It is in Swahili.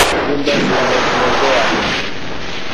Nyumba zimejengea